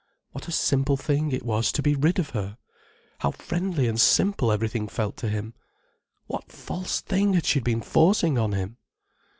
What a simple thing it was to be rid of her! How friendly and simple everything felt to him. What false thing had she been forcing on him?